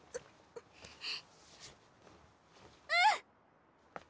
うん！